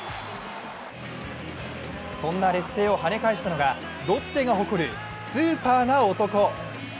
そんな劣勢を跳ね返したのがロッテが誇るスーパーな男。